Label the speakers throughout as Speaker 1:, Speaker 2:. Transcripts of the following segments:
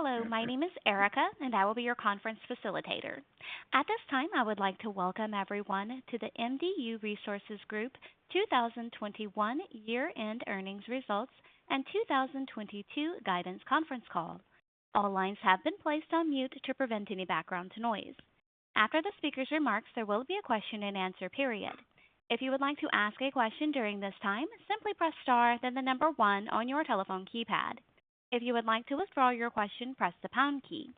Speaker 1: Hello, my name is Erica, and I will be your conference facilitator. At this time, I would like to welcome everyone to the MDU Resources Group 2021 year-end earnings results and 2022 guidance conference call. All lines have been placed on mute to prevent any background noise. After the speaker's remarks, there will be a question-and-answer period. If you would like to ask a question during this time, simply press star then the number 1 on your telephone keypad. If you would like to withdraw your question, press the pound key.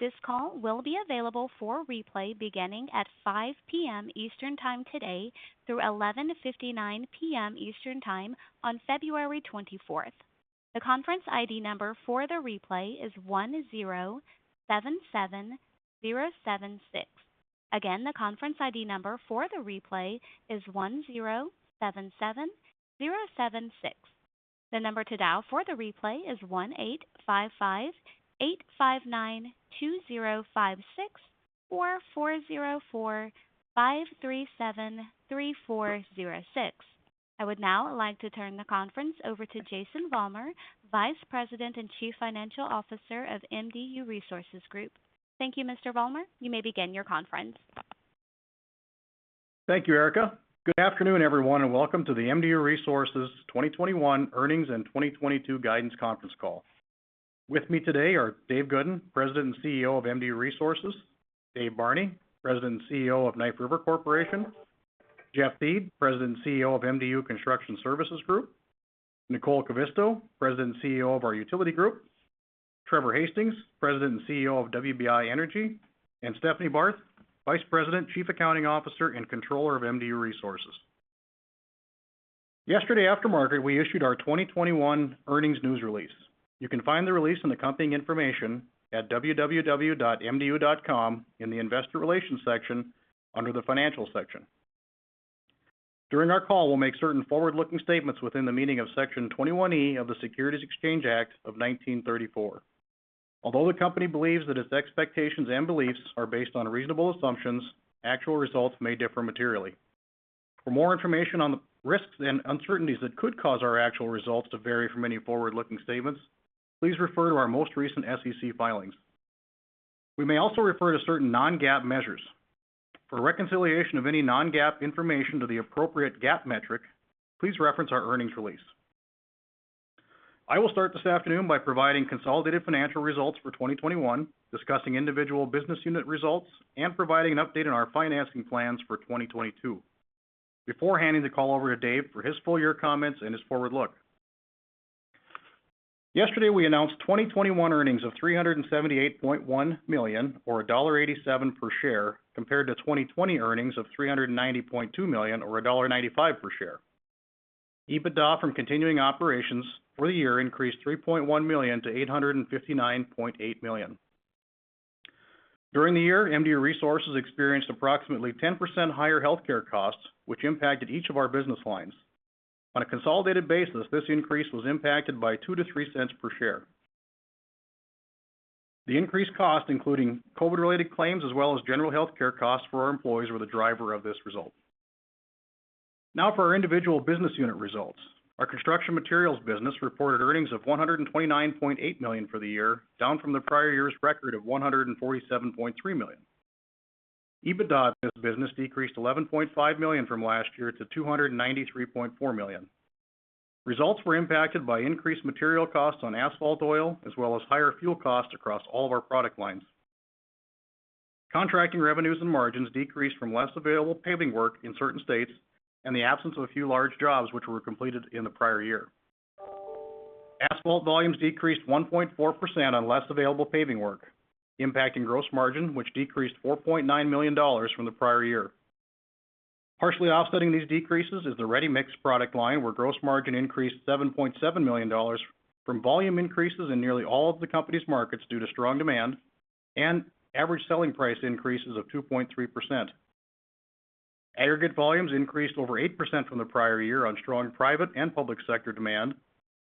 Speaker 1: This call will be available for replay beginning at 5:00 P.M. Eastern Time today through 11:59 P.M. Eastern Time on February 24th. The conference ID number for the replay is 1,077,076. Again, the conference ID number for the replay is 1,077,076. I would now like to turn the conference over to Jason Vollmer, Vice President and Chief Financial Officer of MDU Resources Group. Thank you, Mr. Vollmer. You may begin your conference.
Speaker 2: Thank you, Erica. Good afternoon, everyone, and welcome to the MDU Resources 2021 earnings and 2022 guidance conference call. With me today are Dave Goodin, President and CEO of MDU Resources, Dave Barney, President and CEO of Knife River Corporation, Jeff Thiede, President and CEO of MDU Construction Services Group, Nicole Kivisto, President and CEO of our Utility Group, Trevor Hastings, President and CEO of WBI Energy, and Stephanie Barth, Vice President, Chief Accounting Officer, and Controller of MDU Resources. Yesterday after market, we issued our 2021 earnings news release. You can find the release in the company information at www.mdu.com in the Investor Relations section under the Financial section. During our call, we'll make certain forward-looking statements within the meaning of Section 21E of the Securities Exchange Act of 1934. Although the company believes that its expectations and beliefs are based on reasonable assumptions, actual results may differ materially. For more information on the risks and uncertainties that could cause our actual results to vary from any forward-looking statements, please refer to our most recent SEC filings. We may also refer to certain non-GAAP measures. For reconciliation of any non-GAAP information to the appropriate GAAP metric, please reference our earnings release. I will start this afternoon by providing consolidated financial results for 2021, discussing individual business unit results, and providing an update on our financing plans for 2022 before handing the call over to Dave for his full year comments and his forward look. Yesterday, we announced 2021 earnings of $378.1 million or $1.87 per share compared to 2020 earnings of $390.2 million or $1.95 per share. EBITDA from continuing operations for the year increased $3.1 million to $859.8 million. During the year, MDU Resources experienced approximately 10% higher healthcare costs, which impacted each of our business lines. On a consolidated basis, this increase was impacted by $0.02 per share-$0.03 per share. The increased cost, including COVID-related claims as well as general healthcare costs for our employees, were the driver of this result. Now for our individual business unit results. Our Construction Materials business reported earnings of $129.8 million for the year, down from the prior year's record of $147.3 million. EBITDA in this business decreased $11.5 million from last year to $293.4 million. Results were impacted by increased material costs on asphalt oil as well as higher fuel costs across all of our product lines. Contracting revenues and margins decreased from less available paving work in certain states and the absence of a few large jobs which were completed in the prior year. Asphalt volumes decreased 1.4% on less available paving work, impacting gross margin, which decreased $4.9 million from the prior year. Partially offsetting these decreases is the ready mix product line, where gross margin increased $7.7 million from volume increases in nearly all of the company's markets due to strong demand and average selling price increases of 2.3%. Aggregate volumes increased over 8% from the prior year on strong private and public sector demand.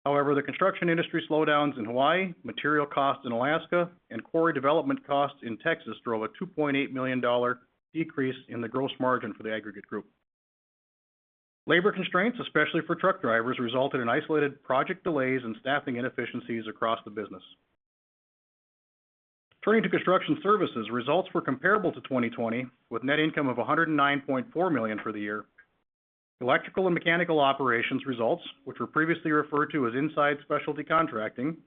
Speaker 2: However, the construction industry slowdowns in Hawaii, material costs in Alaska, and quarry development costs in Texas drove a $2.8 million decrease in the gross margin for the aggregate group. Labor constraints, especially for truck drivers, resulted in isolated project delays and staffing inefficiencies across the business. Turning to Construction Services, results were comparable to 2020, with net income of $109.4 million for the year. Electrical and mechanical operations results, which were previously referred to as inside specialty contracting,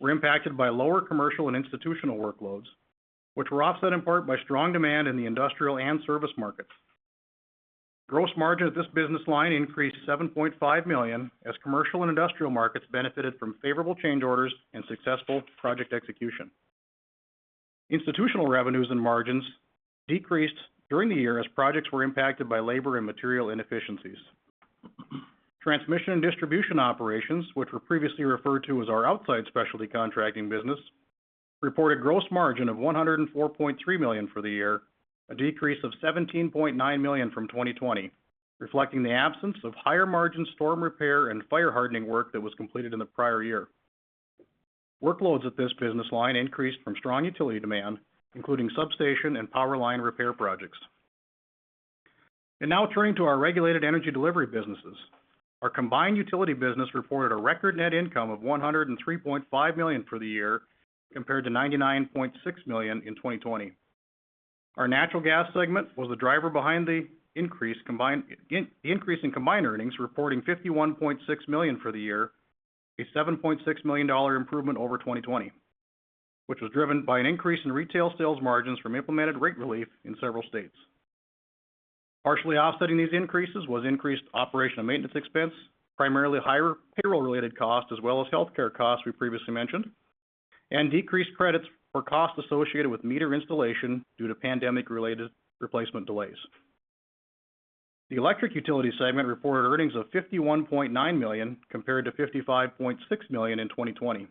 Speaker 2: were impacted by lower commercial and institutional workloads, which were offset in part by strong demand in the industrial and service markets. Gross margin of this business line increased $7.5 million as commercial and industrial markets benefited from favorable change orders and successful project execution. Institutional revenues and margins decreased during the year as projects were impacted by labor and material inefficiencies. Transmission and distribution operations, which were previously referred to as our outside specialty contracting business, reported gross margin of $104.3 million for the year, a decrease of $17.9 million from 2020, reflecting the absence of higher-margin storm repair and fire hardening work that was completed in the prior year. Workloads at this business line increased from strong utility demand, including substation and power line repair projects. Now turning to our regulated energy delivery businesses. Our combined utility business reported a record net income of $103.5 million for the year, compared to $99.6 million in 2020. Our natural gas segment was the driver behind the increase in combined earnings, reporting $51.6 million for the year, a $7.6 million improvement over 2020, which was driven by an increase in retail sales margins from implemented rate relief in several states. Partially offsetting these increases was increased operational maintenance expense, primarily higher payroll-related costs as well as healthcare costs we previously mentioned, and decreased credits for costs associated with meter installation due to pandemic-related replacement delays. The electric utility segment reported earnings of $51.9 million compared to $55.6 million in 2020.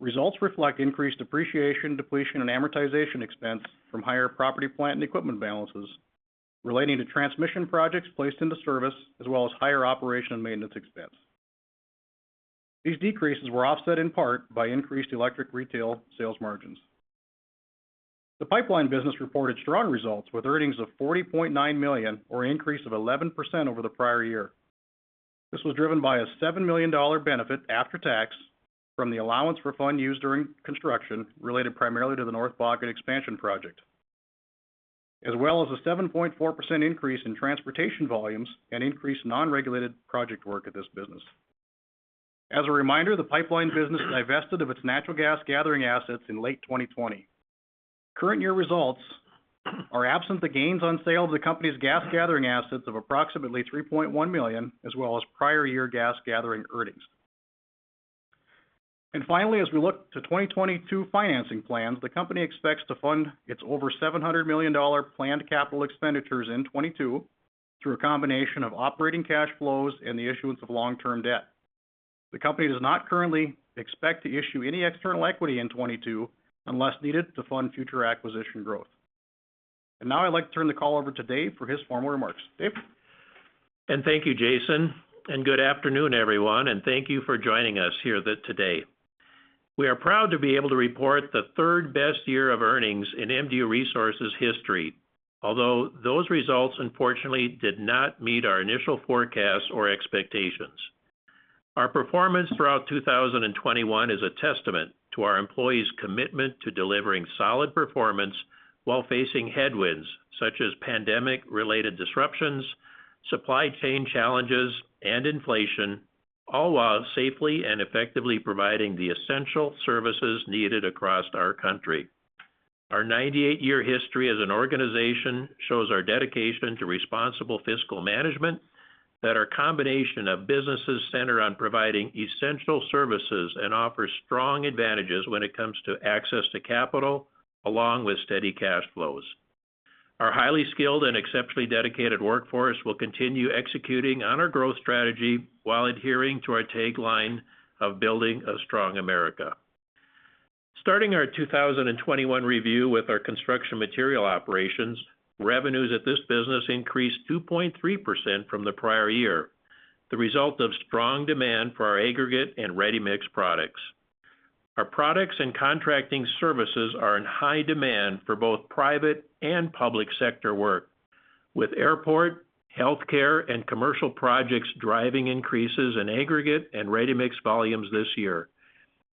Speaker 2: Results reflect increased depreciation, depletion, and amortization expense from higher property, plant, and equipment balances relating to transmission projects placed into service, as well as higher operation and maintenance expense. These decreases were offset in part by increased electric retail sales margins. The pipeline business reported strong results with earnings of $40.9 million or an 11% increase over the prior year. This was driven by a $7 million benefit after tax from the allowance for funds used during construction related primarily to the North Bakken Expansion Project, as well as a 7.4% increase in transportation volumes and increased non-regulated project work at this business. As a reminder, the pipeline business divested of its natural gas gathering assets in late 2020. Current year results are absent the gains on sale of the company's gas gathering assets of approximately $3.1 million as well as prior year gas gathering earnings. Finally, as we look to 2022 financing plans, the company expects to fund its over $700 million planned capital expenditures in 2022 through a combination of operating cash flows and the issuance of long-term debt. The company does not currently expect to issue any external equity in 2022 unless needed to fund future acquisition growth. Now I'd like to turn the call over to Dave for his formal remarks. Dave?
Speaker 3: Thank you, Jason, and good afternoon, everyone, and thank you for joining us here today. We are proud to be able to report the third best year of earnings in MDU Resources history, although those results unfortunately did not meet our initial forecasts or expectations. Our performance throughout 2021 is a testament to our employees' commitment to delivering solid performance while facing headwinds such as pandemic-related disruptions, supply chain challenges, and inflation, all while safely and effectively providing the essential services needed across our country. Our 98-year history as an organization shows our dedication to responsible fiscal management that our combination of businesses center on providing essential services and offers strong advantages when it comes to access to capital along with steady cash flows. Our highly skilled and exceptionally dedicated workforce will continue executing on our growth strategy while adhering to our tagline of"Building a Strong America." Starting our 2021 review with our Construction Materials operations, revenues at this business increased 2.3% from the prior year, the result of strong demand for our aggregate and ready-mix products. Our products and contracting services are in high demand for both private and public sector work, with airport, healthcare, and commercial projects driving increases in aggregate and ready-mix volumes this year,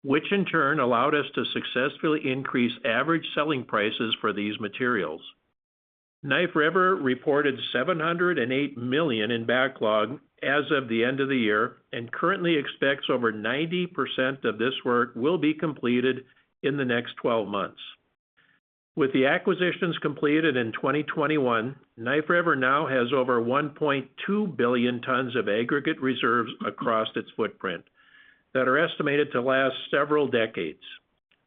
Speaker 3: which in turn allowed us to successfully increase average selling prices for these materials. Knife River Corporation reported $708 million in backlog as of the end of the year and currently expects over 90% of this work will be completed in the next 12 months. With the acquisitions completed in 2021, Knife River now has over 1.2 billion tons of aggregate reserves across its footprint that are estimated to last several decades.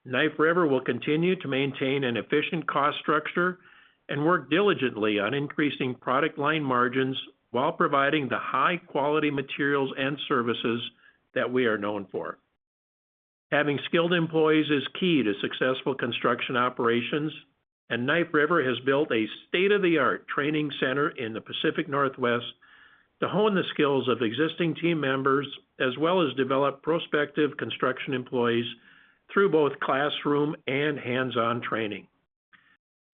Speaker 3: Knife River will continue to maintain an efficient cost structure and work diligently on increasing product line margins while providing the high-quality materials and services that we are known for. Having skilled employees is key to successful construction operations, and Knife River has built a state-of-the-art training center in the Pacific Northwest to hone the skills of existing team members, as well as develop prospective construction employees through both classroom and hands-on training.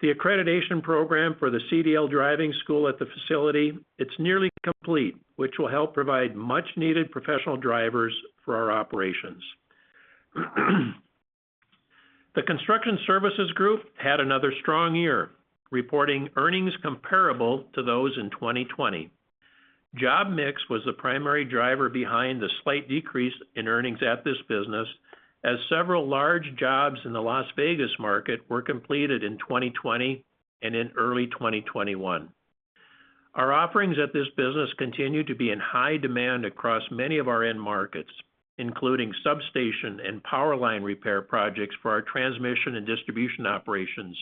Speaker 3: The accreditation program for the CDL driving school at the facility, it's nearly complete, which will help provide much-needed professional drivers for our operations. The Construction Services Group had another strong year, reporting earnings comparable to those in 2020. Job mix was the primary driver behind the slight decrease in earnings at this business as several large jobs in the Las Vegas market were completed in 2020 and in early 2021. Our offerings at this business continue to be in high demand across many of our end markets, including substation and power line repair projects for our transmission and distribution operations,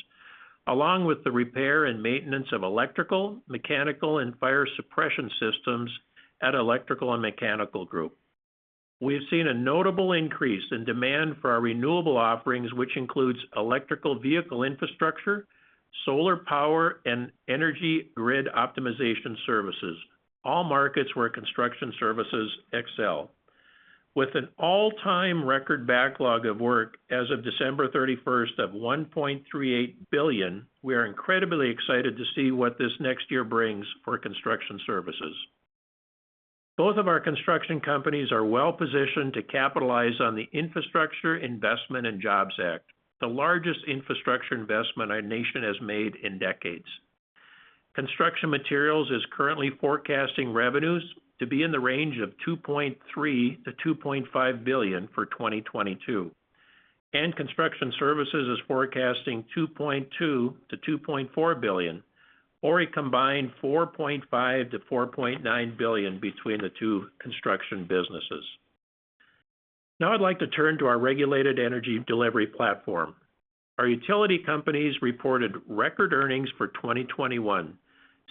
Speaker 3: along with the repair and maintenance of electrical, mechanical, and fire suppression systems at Electrical and Mechanical Group. We have seen a notable increase in demand for our renewable offerings, which includes electric vehicle infrastructure, solar power, and energy grid optimization services, all markets where Construction Services excel. With an all-time record backlog of work as of December 31, 2021, of $1.38 billion, we are incredibly excited to see what this next year brings for Construction Services. Both of our construction companies are well-positioned to capitalize on the Infrastructure Investment and Jobs Act, the largest infrastructure investment our nation has made in decades. Construction Materials is currently forecasting revenues to be in the range of $2.3 billion-$2.5 billion for 2022, and Construction Services is forecasting $2.2 billion-$2.4 billion, or a combined $4.5 billion-$4.9 billion between the two construction businesses. Now I'd like to turn to our regulated energy delivery platform. Our utility companies reported record earnings for 2021,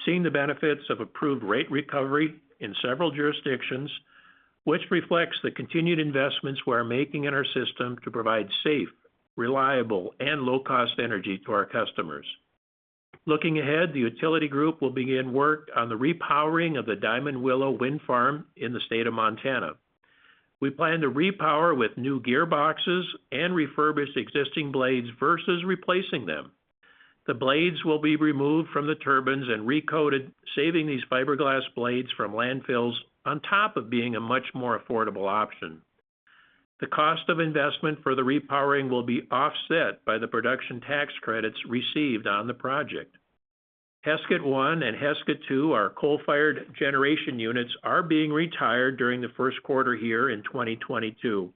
Speaker 3: seeing the benefits of approved rate recovery in several jurisdictions, which reflects the continued investments we are making in our system to provide safe, reliable, and low-cost energy to our customers. Looking ahead, the Utility Group will begin work on the repowering of the Diamond Willow Wind Farm in the state of Montana. We plan to repower with new gearboxes and refurbish existing blades versus replacing them. The blades will be removed from the turbines and recoated, saving these fiberglass blades from landfills on top of being a much more affordable option. The cost of investment for the repowering will be offset by the Production Tax Credits received on the project. Heskett 1 and Heskett 2, our coal-fired generation units, are being retired during the first quarter here in 2022,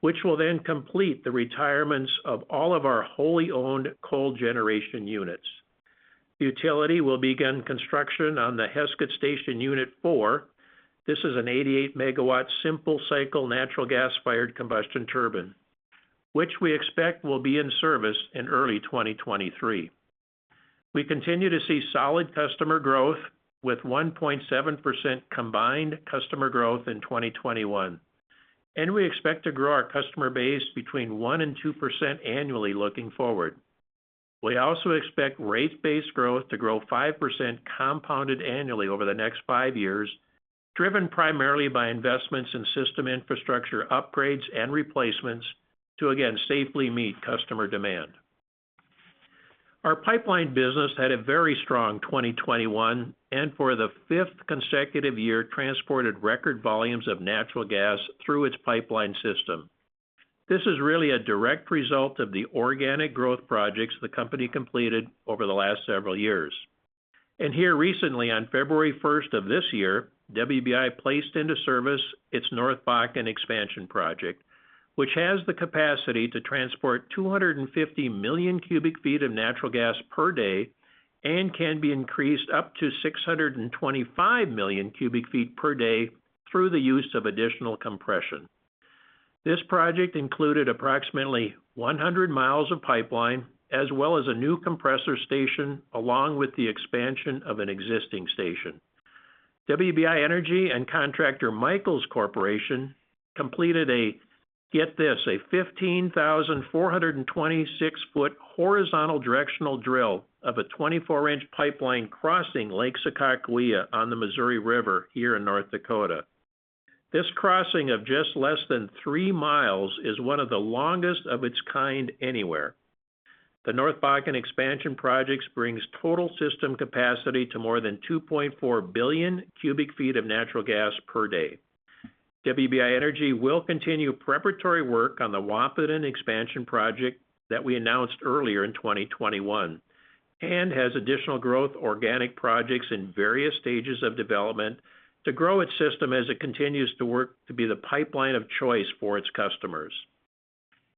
Speaker 3: which will then complete the retirements of all of our wholly-owned coal generation units. The utility will begin construction on the Heskett Station Unit 4. This is an 88 MW simple cycle natural gas-fired combustion turbine, which we expect will be in service in early 2023. We continue to see solid customer growth with 1.7% combined customer growth in 2021, and we expect to grow our customer base between 1% and 2% annually looking forward. We also expect rate-based growth to grow 5% compounded annually over the next five years, driven primarily by investments in system infrastructure upgrades and replacements to, again, safely meet customer demand. Our pipeline business had a very strong 2021, and for the 5th consecutive year transported record volumes of natural gas through its pipeline system. This is really a direct result of the organic growth projects the company completed over the last several years. Here recently on February 1st of this year, WBI placed into service its North Bakken Expansion Project, which has the capacity to transport 250 million cubic feet of natural gas per day and can be increased up to 625 million cubic feet per day through the use of additional compression. This project included approximately 100 miles of pipeline as well as a new compressor station along with the expansion of an existing station. WBI Energy and contractor Michels Corporation completed a, get this, a 15,426-foot horizontal directional drill of a 24-inch pipeline crossing Lake Sakakawea on the Missouri River here in North Dakota. This crossing of just less than 3 miles is one of the longest of its kind anywhere. The North Bakken Expansion Project brings total system capacity to more than 2.4 billion cubic feet of natural gas per day. WBI Energy will continue preparatory work on the Wahpeton Expansion Project that we announced earlier in 2021 and has additional growth organic projects in various stages of development to grow its system as it continues to work to be the pipeline of choice for its customers.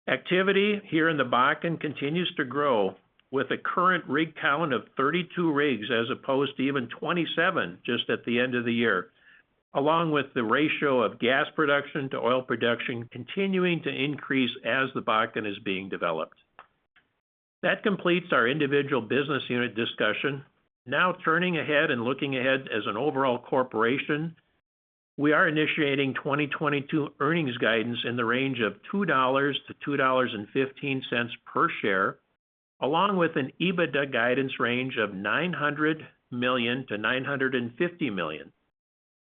Speaker 3: Activity here in the Bakken continues to grow with a current rig count of 32 rigs as opposed to even 27 just at the end of the year, along with the ratio of gas production to oil production continuing to increase as the Bakken is being developed. That completes our individual business unit discussion. Now turning ahead and looking ahead as an overall corporation, we are initiating 2022 earnings guidance in the range of $2.00 per share-$2.15 per share, along with an EBITDA guidance range of $900 million-$950 million.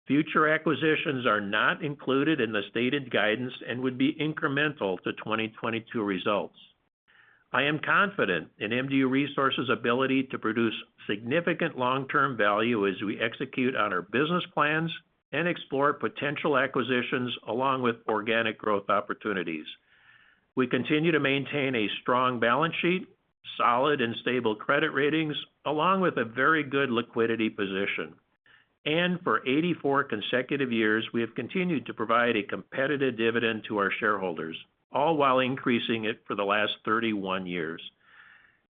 Speaker 3: Future acquisitions are not included in the stated guidance and would be incremental to 2022 results. I am confident in MDU Resources' ability to produce significant long-term value as we execute on our business plans and explore potential acquisitions along with organic growth opportunities. We continue to maintain a strong balance sheet, solid and stable credit ratings, along with a very good liquidity position. For 84 consecutive years, we have continued to provide a competitive dividend to our shareholders, all while increasing it for the last 31 years.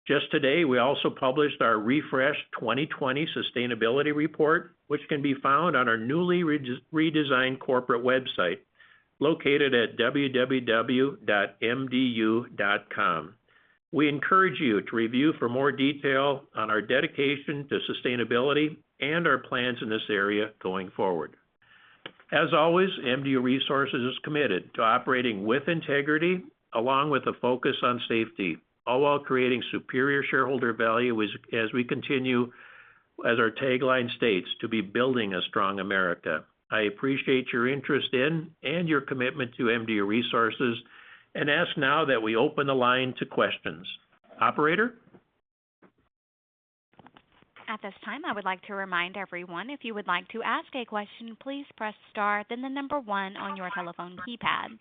Speaker 3: Just today, we also published our refreshed 2020 Sustainability Report, which can be found on our newly redesigned corporate website located at www.mdu.com. We encourage you to review for more detail on our dedication to sustainability and our plans in this area going forward. As always, MDU Resources is committed to operating with integrity along with a focus on safety, all while creating superior shareholder value. As our tagline states, to be "Building a Strong America." I appreciate your interest in and your commitment to MDU Resources, and ask now that we open the line to questions. Operator?
Speaker 1: At this time, I would like to remind everyone, if you would like to ask a question, please press star, then one on your telephone keypad.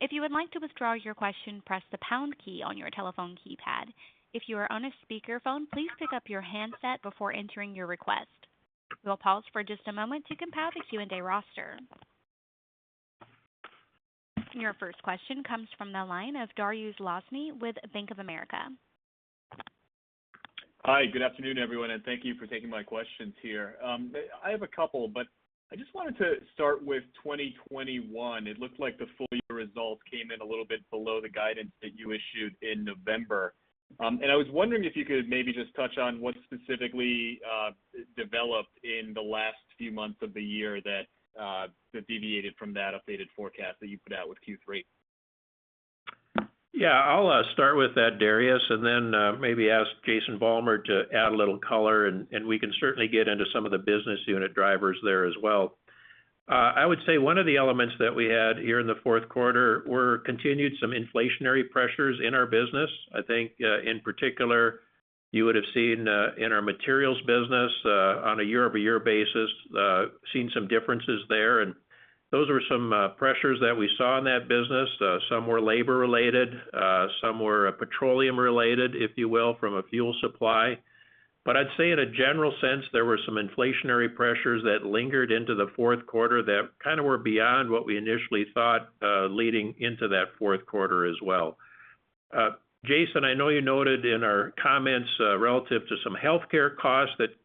Speaker 1: If you would like to withdraw your question, press the pound key on your telephone keypad. If you are on a speakerphone, please pick up your handset before entering your request. We'll pause for just a moment to compile the Q&A roster. Your first question comes from the line of Dariusz Lozny with Bank of America.
Speaker 4: Hi. Good afternoon, everyone, and thank you for taking my questions here. I have a couple, but I just wanted to start with 2021. It looked like the full year results came in a little bit below the guidance that you issued in November. I was wondering if you could maybe just touch on what specifically developed in the last few months of the year that deviated from that updated forecast that you put out with Q3.
Speaker 3: Yeah. I'll start with that, Dariusz, and then maybe ask Jason Vollmer to add a little color, and we can certainly get into some of the business unit drivers there as well. I would say one of the elements that we had here in the fourth quarter were continued some inflationary pressures in our business. I think in particular, you would have seen in our materials business on a year-over-year basis seen some differences there. Those were some pressures that we saw in that business. Some were labor related, some were petroleum related, if you will, from a fuel supply. I'd say in a general sense, there were some inflationary pressures that lingered into the fourth quarter that kind of were beyond what we initially thought leading into that fourth quarter as well. Jason, I know you noted in our comments, relative to some healthcare costs that I'll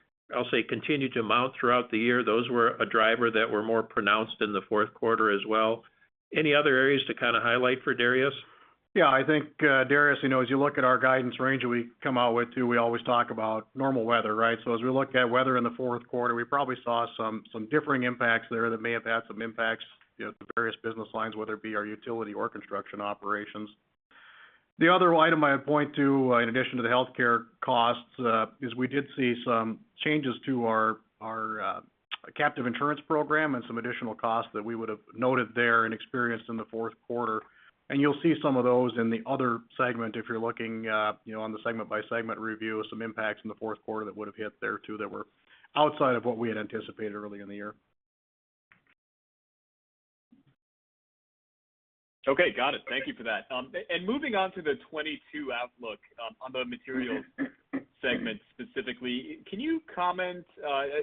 Speaker 3: say continued to mount throughout the year. Those were a driver that were more pronounced in the fourth quarter as well. Any other areas to kind of highlight for Dariusz?
Speaker 2: Yeah. I think, Dariusz, you know, as you look at our guidance range that we come out with too, we always talk about normal weather, right? As we look at weather in the fourth quarter, we probably saw some differing impacts there that may have had some impacts, you know, to various business lines, whether it be our utility or construction operations. The other item I'd point to, in addition to the healthcare costs, is we did see some changes to our captive insurance program and some additional costs that we would have noted there and experienced in the fourth quarter. You'll see some of those in the other segment if you're looking, you know, on the segment by segment review of some impacts in the fourth quarter that would have hit there too, that were outside of what we had anticipated early in the year.
Speaker 4: Okay. Got it. Thank you for that. Moving on to the 2022 outlook, on the materials segment specifically, can you comment?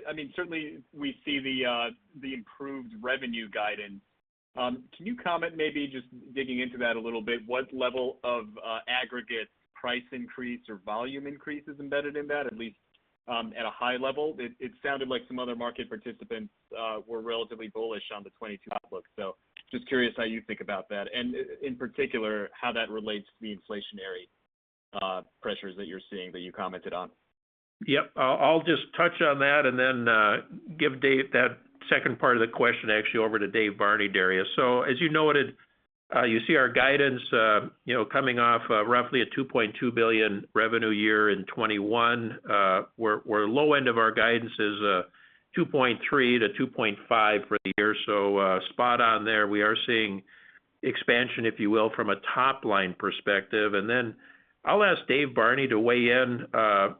Speaker 4: I mean, certainly we see the improved revenue guidance. Can you comment, maybe just digging into that a little bit, what level of aggregate price increase or volume increase is embedded in that, at least at a high level? It sounded like some other market participants were relatively bullish on the 2022 outlook. Just curious how you think about that, and in particular, how that relates to the inflationary pressures that you're seeing that you commented on.
Speaker 3: Yep. I'll just touch on that and then give that second part of the question actually over to Dave Barney, Dariusz. As you noted, you see our guidance, you know, coming off roughly a $2.2 billion revenue year in 2021. We're low end of our guidance is $2.3 billion-$2.5 billion for the year. Spot on there. We are seeing expansion, if you will, from a top-line perspective. I'll ask Dave Barney to weigh in,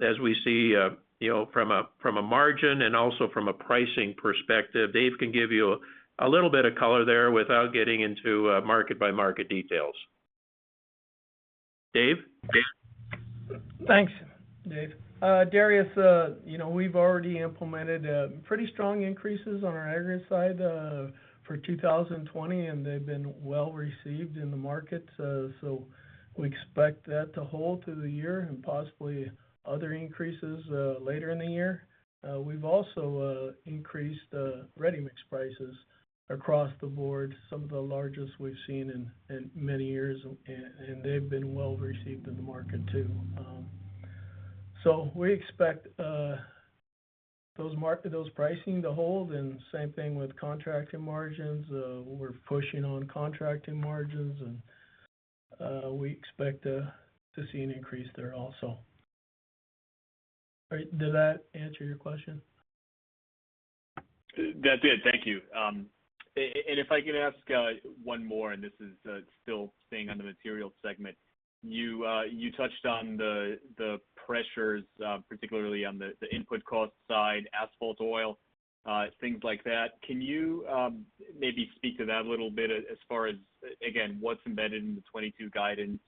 Speaker 3: as we see, you know, from a margin and also from a pricing perspective. Dave can give you a little bit of color there without getting into market-by-market details. Dave? Dave?
Speaker 5: Thanks, Dave. Dariusz, you know, we've already implemented pretty strong increases on our aggregate side for 2020, and they've been well-received in the market, so we expect that to hold through the year and possibly other increases later in the year. We've also increased ready-mix prices across the board, some of the largest we've seen in many years, and they've been well-received in the market too. We expect those pricing to hold, and same thing with contracting margins. We're pushing on contracting margins, and we expect to see an increase there also. All right. Did that answer your question?
Speaker 4: That's it. Thank you. If I could ask one more, and this is still staying on the materials segment. You touched on the pressures, particularly on the input cost side, asphalt, oil, things like that. Can you maybe speak to that a little bit as far as, again, what's embedded in the 2022 guidance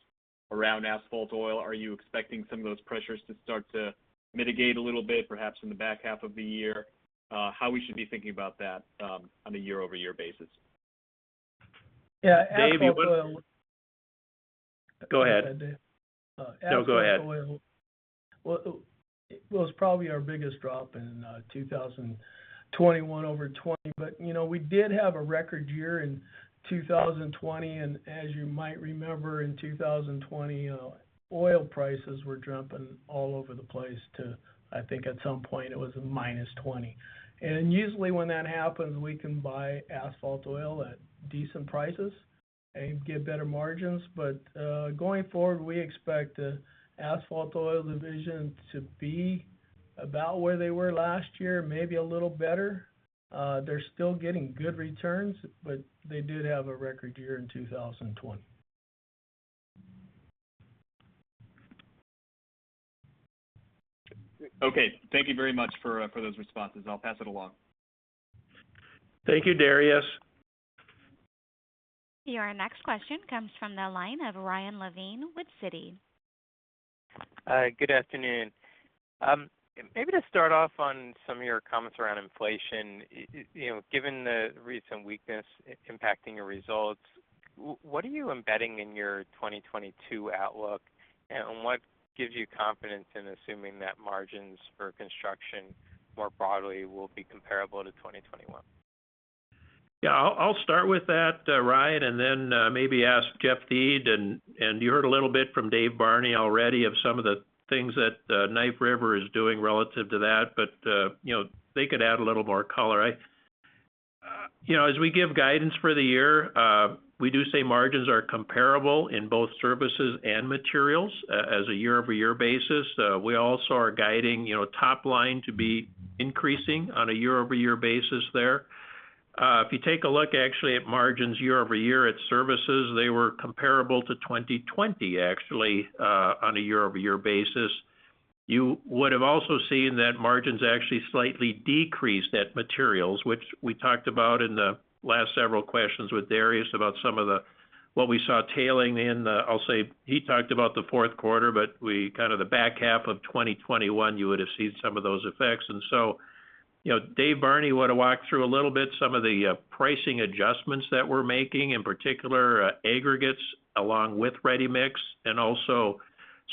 Speaker 4: around asphalt, oil? Are you expecting some of those pressures to start to mitigate a little bit, perhaps in the back half of the year? How we should be thinking about that on a year-over-year basis.
Speaker 5: Yeah.
Speaker 3: Dave, you want
Speaker 5: Go ahead.
Speaker 3: No, go ahead.
Speaker 5: It was probably our biggest drop in 2021 over 2020. You know, we did have a record year in 2020, and as you might remember, in 2020, oil prices were jumping all over the place to, I think at some point, it was a -20. Usually when that happens, we can buy asphalt oil at decent prices and get better margins. Going forward, we expect the asphalt oil division to be about where they were last year, maybe a little better. They're still getting good returns, but they did have a record year in 2020.
Speaker 4: Okay. Thank you very much for those responses. I'll pass it along.
Speaker 3: Thank you, Dariusz.
Speaker 1: Your next question comes from the line of Ryan Levine with Citi.
Speaker 6: Good afternoon. Maybe to start off on some of your comments around inflation. You know, given the recent weakness impacting your results, what are you embedding in your 2022 outlook? What gives you confidence in assuming that margins for construction more broadly will be comparable to 2021?
Speaker 3: Yeah. I'll start with that, Ryan, and then maybe ask Jeff Thiede. You heard a little bit from Dave Barney already of some of the things that Knife River is doing relative to that. You know, they could add a little more color. You know, as we give guidance for the year, we do say margins are comparable in both services and materials as a year-over-year basis. We also are guiding, you know, top line to be increasing on a year-over-year basis there. If you take a look actually at margins year-over-year at services, they were comparable to 2020 actually, on a year-over-year basis. You would have also seen that margins actually slightly decreased at materials, which we talked about in the last several questions with Dariusz about some of what we saw tailing off in the. I'll say he talked about the fourth quarter, but we kind of saw the back half of 2021. You would have seen some of those effects. You know, Dave Barney would walk through a little bit some of the pricing adjustments that we're making, in particular, aggregates along with ready-mix, and also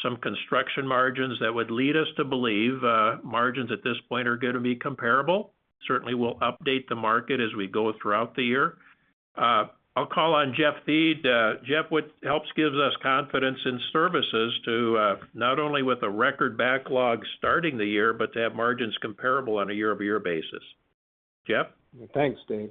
Speaker 3: some construction margins that would lead us to believe margins at this point are gonna be comparable. Certainly, we'll update the market as we go throughout the year. I'll call on Jeff Thiede. Jeff, what helps give us confidence in services to not only with a record backlog starting the year, but to have margins comparable on a year-over-year basis?
Speaker 7: Thanks, Dave.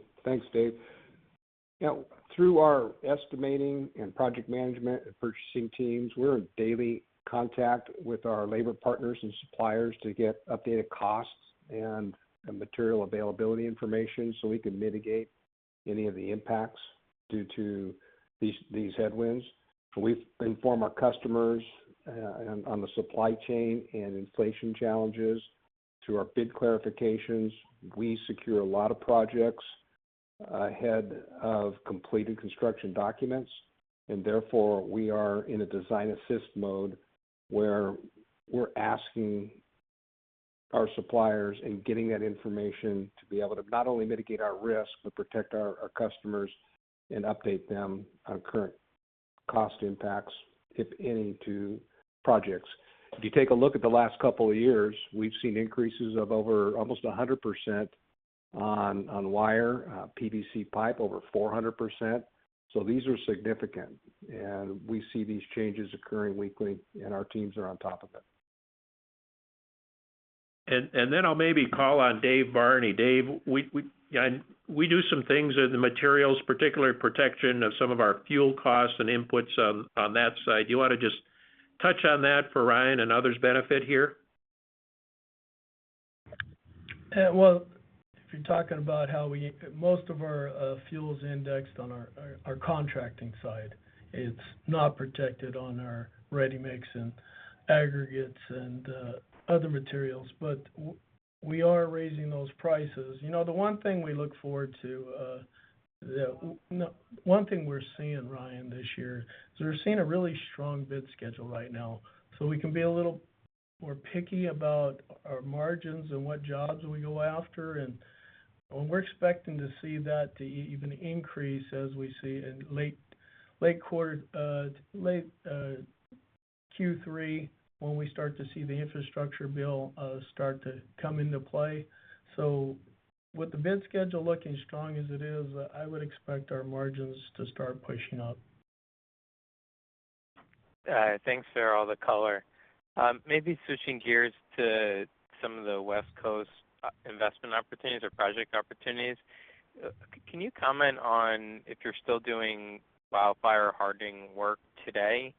Speaker 7: You know, through our estimating and project management and purchasing teams, we're in daily contact with our labor partners and suppliers to get updated costs and material availability information so we can mitigate any of the impacts due to these headwinds. We inform our customers on the supply chain and inflation challenges through our bid clarifications. We secure a lot of projects ahead of completed construction documents, and therefore, we are in a design assist mode, where we're asking our suppliers and getting that information to be able to not only mitigate our risk, but protect our customers and update them on current cost impacts, if any, to projects. If you take a look at the last couple of years, we've seen increases of over almost 100% on wire, PVC pipe over 400%. These are significant, and we see these changes occurring weekly, and our teams are on top of it.
Speaker 3: I'll maybe call on Dave Barney. Dave, we do some things in the materials, particularly protection of some of our fuel costs and inputs on that side. Do you wanna just touch on that for Ryan and others' benefit here?
Speaker 5: If you're talking about how most of our fuel's indexed on our contracting side. It's not protected on our ready-mix and aggregates and other materials. We are raising those prices. You know, the one thing we look forward to, one thing we're seeing, Ryan, this year is we're seeing a really strong bid schedule right now. We can be a little more picky about our margins and what jobs we go after. We're expecting to see that to even increase as we see in late Q3, when we start to see the infrastructure bill start to come into play. With the bid schedule looking strong as it is, I would expect our margins to start pushing up.
Speaker 6: Thanks for all the color. Maybe switching gears to some of the West Coast investment opportunities or project opportunities. Can you comment on if you're still doing wildfire hardening work today?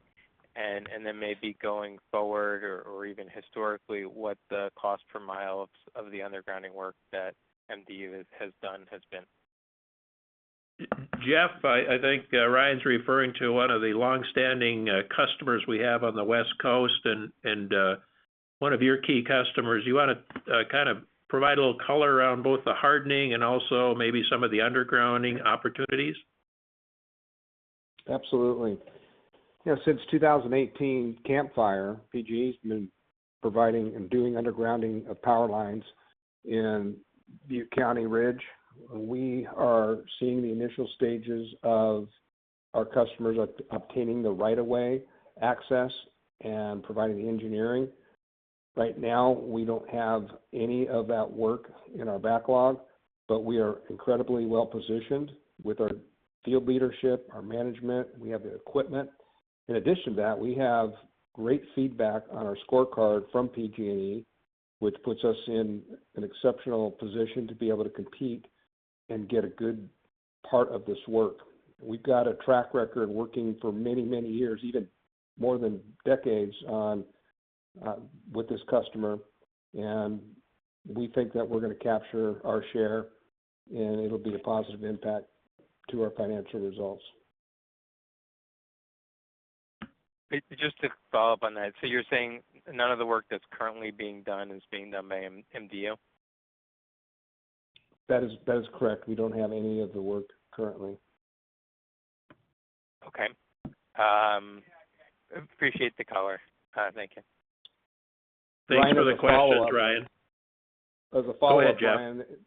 Speaker 6: Maybe going forward or even historically, what the cost per mile of the undergrounding work that MDU has done has been?
Speaker 3: Jeff, I think 's referring to one of the long-standing customers we have on the West Coast and one of your key customers. You wanna kind of provide a little color around both the hardening and also maybe some of the undergrounding opportunities?
Speaker 7: Absolutely. You know, since 2018 Camp Fire, PG&E has been providing and doing undergrounding of power lines in Butte County Ridge. We are seeing the initial stages of our customers obtaining the right-of-way access and providing the engineering. Right now, we don't have any of that work in our backlog, but we are incredibly well-positioned with our field leadership, our management, we have the equipment. In addition to that, we have great feedback on our scorecard from PG&E. Which puts us in an exceptional position to be able to compete and get a good part of this work. We've got a track record working for many, many years, even more than decades on, with this customer, and we think that we're gonna capture our share, and it'll be a positive impact to our financial results.
Speaker 6: Just to follow up on that. You're saying none of the work that's currently being done is being done by MDU?
Speaker 7: That is correct. We don't have any of the work currently.
Speaker 6: Okay. Appreciate the color. Thank you.
Speaker 3: Thanks for the question, Ryan.
Speaker 7: As a follow-up.
Speaker 3: Go ahead, Jeff.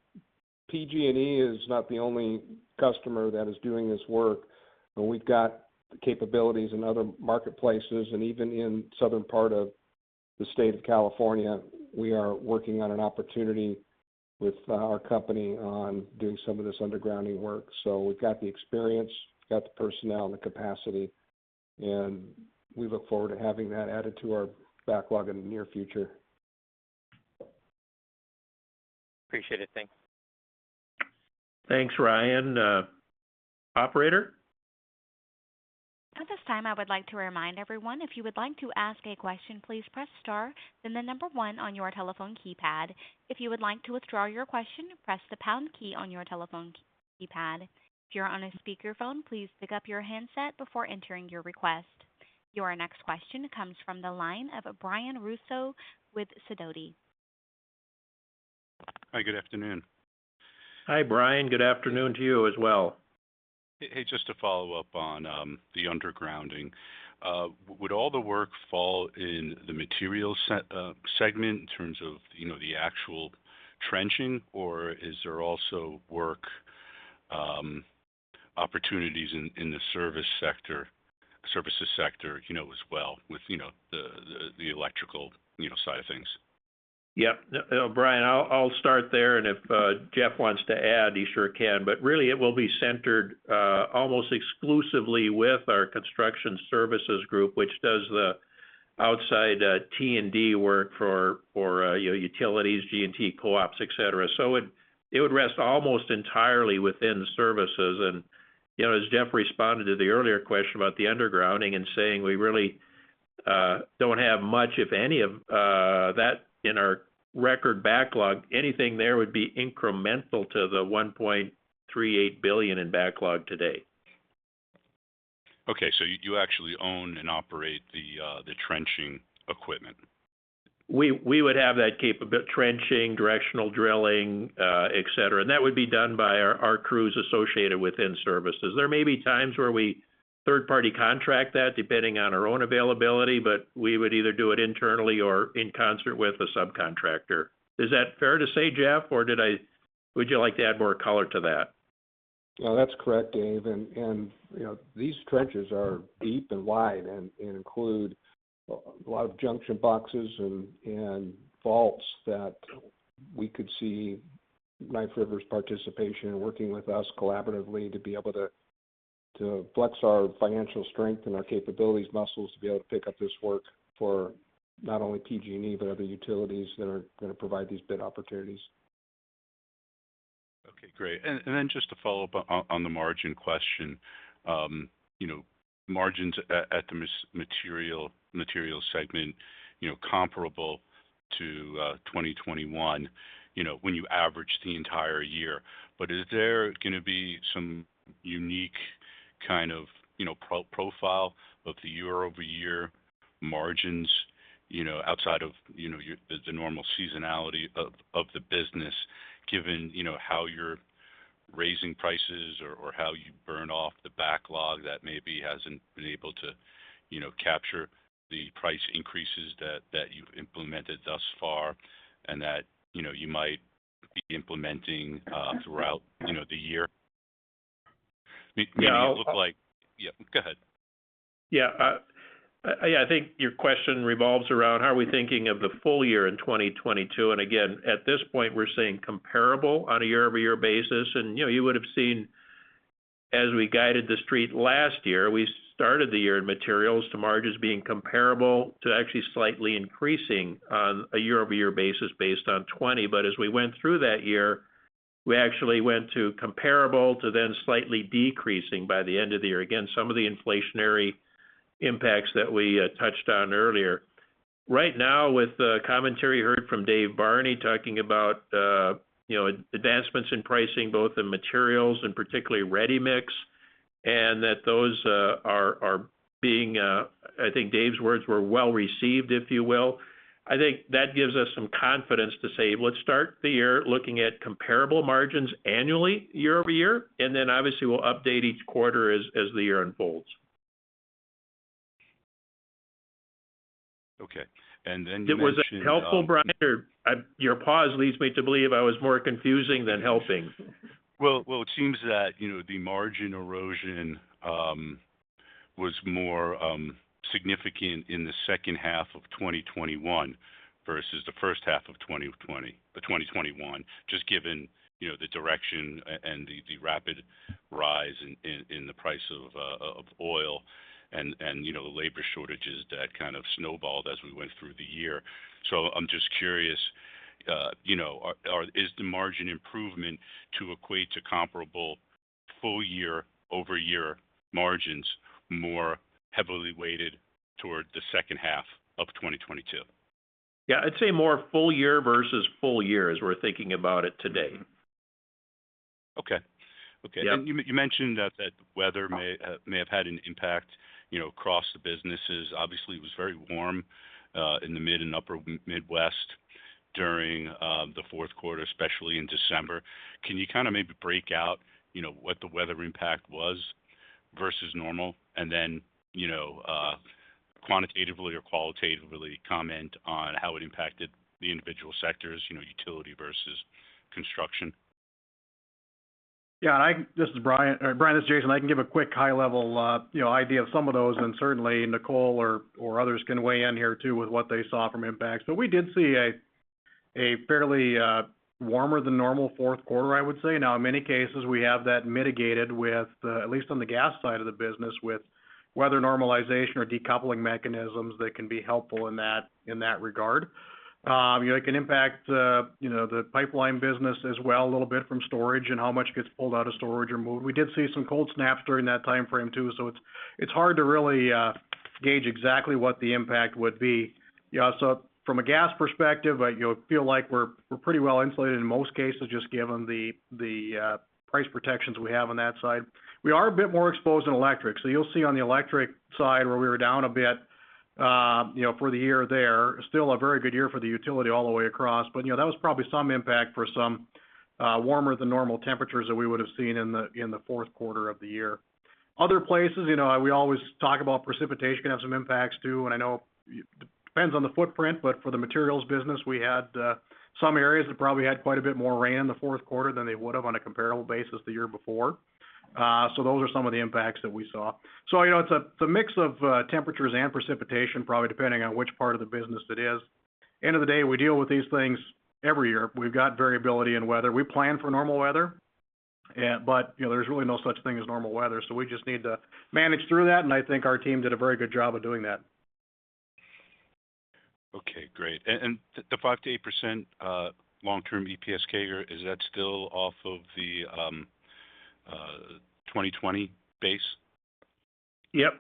Speaker 7: PG&E is not the only customer that is doing this work, and we've got the capabilities in other marketplaces and even in the southern part of the state of California. We are working on an opportunity with our company on doing some of this undergrounding work. We've got the experience, we've got the personnel and the capacity, and we look forward to having that added to our backlog in the near future.
Speaker 6: Appreciate it. Thanks.
Speaker 3: Thanks, Ryan. Operator?
Speaker 1: At this time, I would like to remind everyone, if you would like to ask a question, please press star then the number one on your telephone keypad. If you would like to withdraw your question, press the pound key on your telephone keypad. If you're on a speakerphone, please pick up your handset before entering your request. Your next question comes from the line of Brian Russo with Sidoti.
Speaker 8: Hi, Good afternoon.
Speaker 3: Hi, Brian. Good afternoon to you as well.
Speaker 8: Hey, just to follow up on the undergrounding. Would all the work fall in the materials segment in terms of, you know, the actual trenching, or is there also work opportunities in the services sector, you know, as well with, you know, the electrical side of things?
Speaker 3: Yeah. Brian, I'll start there, and if Jeff wants to add, he sure can. Really it will be centered almost exclusively with our Construction Services Group, which does the outside T&D work for utilities, G&T co-ops, et cetera. It would rest almost entirely within services. You know, as Jeff responded to the earlier question about the undergrounding and saying we really don't have much, if any of that in our record backlog, anything there would be incremental to the $1.38 billion in backlog today.
Speaker 8: Okay. You actually own and operate the trenching equipment.
Speaker 3: We would have that capability, trenching, directional drilling, et cetera. That would be done by our crews associated within Services. There may be times where we third-party contract that depending on our own availability, but we would either do it internally or in concert with a subcontractor. Is that fair to say, Jeff? Or did I? Would you like to add more color to that?
Speaker 7: No, that's correct, Dave. You know, these trenches are deep and wide and include a lot of junction boxes and vaults that we could see Knife River's participation in working with us collaboratively to be able to flex our financial strength and our capabilities muscles to be able to pick up this work for not only PG&E but other utilities that are gonna provide these bid opportunities.
Speaker 8: Okay, great. Then just to follow up on the margin question. You know, margins at the materials segment comparable to 2021 when you average the entire year. But is there gonna be some unique kind of profile of the year-over-year margins outside of the normal seasonality of the business given how you're raising prices or how you burn off the backlog that maybe hasn't been able to capture the price increases that you've implemented thus far and that you might be implementing throughout the year?
Speaker 3: Yeah.
Speaker 8: Yeah, go ahead.
Speaker 3: Yeah. Yeah, I think your question revolves around how are we thinking of the full year in 2022. Again, at this point, we're saying comparable on a year-over-year basis. You know, you would have seen as we guided the street last year, we started the year in materials to margins being comparable to actually slightly increasing on a year-over-year basis based on 2020. As we went through that year, we actually went to comparable to then slightly decreasing by the end of the year. Again, some of the inflationary impacts that we touched on earlier. Right now, with the commentary you heard from Dave Barney talking about, you know, advancements in pricing, both in materials and particularly ready mix, and that those are being, I think Dave's words were well-received, if you will. I think that gives us some confidence to say, let's start the year looking at comparable margins annually year over year, and then obviously we'll update each quarter as the year unfolds.
Speaker 8: Okay. You mentioned,
Speaker 3: Was that helpful, Brian? Or your pause leads me to believe I was more confusing than helping.
Speaker 8: Well, it seems that, you know, the margin erosion was more significant in the second half of 2021 versus the first half of 2021, just given, you know, the direction and the rapid rise in the price of oil and, you know, labor shortages that kind of snowballed as we went through the year. I'm just curious, you know, or is the margin improvement to equate to comparable full-year-over-year margins more heavily weighted toward the second half of 2022?
Speaker 2: Yeah, I'd say more full year versus full year as we're thinking about it today.
Speaker 8: Okay. Okay.
Speaker 2: Yeah.
Speaker 8: You mentioned that weather may have had an impact, you know, across the businesses. Obviously, it was very warm in the mid and upper Midwest during the fourth quarter, especially in December. Can you kind of maybe break out, you know, what the weather impact was versus normal? Then, you know, quantitatively or qualitatively comment on how it impacted the individual sectors, you know, utility versus construction.
Speaker 2: This is Brian. Brian, this is Jason. I can give a quick high level, you know, idea of some of those, and certainly Nicole or others can weigh in here too with what they saw from impacts. We did see a fairly warmer than normal fourth quarter, I would say. Now, in many cases, we have that mitigated with, at least on the gas side of the business, with weather normalization or decoupling mechanisms that can be helpful in that regard. It can impact the pipeline business as well a little bit from storage and how much gets pulled out of storage or moved. We did see some cold snaps during that timeframe too. It's hard to really gauge exactly what the impact would be. Yeah, from a gas perspective, I you know feel like we're pretty well insulated in most cases, just given the price protections we have on that side. We are a bit more exposed in electric. You'll see on the electric side where we were down a bit for the year there. Still a very good year for the utility all the way across. You know, that was probably some impact from some warmer than normal temperatures that we would have seen in the fourth quarter of the year. Other places, you know, we always talk about precipitation can have some impacts too. I know it depends on the footprint, but for the materials business, we had some areas that probably had quite a bit more rain in the fourth quarter than they would have on a comparable basis the year before. Those are some of the impacts that we saw. You know, it's a mix of temperatures and precipitation, probably depending on which part of the business it is. End of the day, we deal with these things every year. We've got variability in weather. We plan for normal weather, but you know, there's really no such thing as normal weather. We just need to manage through that, and I think our team did a very good job of doing that.
Speaker 8: Okay, great. The 5%-8% long-term EPS CAGR, is that still off of the 2020 base?
Speaker 5: Yep.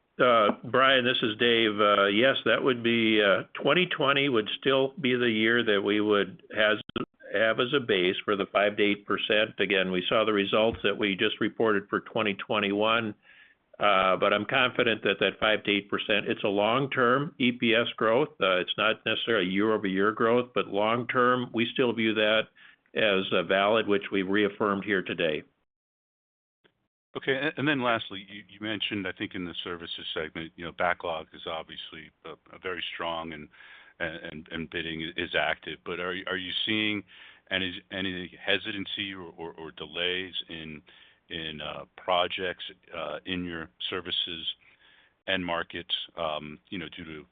Speaker 5: Brian, this is Dave. Yes, that would be 2020 would still be the year that we would have as a base for the 5%-8%. Again, we saw the results that we just reported for 2021. But I'm confident that 5%-8%, it's a long-term EPS growth. It's not necessarily year-over-year growth, but long term, we still view that as valid, which we've reaffirmed here today.
Speaker 8: Lastly, you mentioned, I think, in the services segment, you know, backlog is obviously very strong and bidding is active. Are you seeing any hesitancy or delays in projects in your services end markets, you know, due to